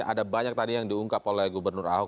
ada banyak tadi yang diungkap oleh gubernur ahok